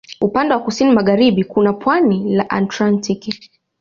Upande wa kusini magharibi kuna pwani la Atlantiki.